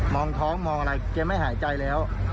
องท้องมองอะไรแกไม่หายใจแล้ว